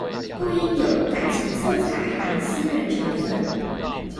不應有感情色彩和私人成分